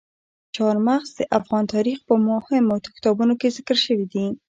چار مغز د افغان تاریخ په مهمو کتابونو کې ذکر شوي دي.